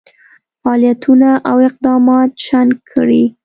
فعالیتونه او اقدامات شنډ کړي.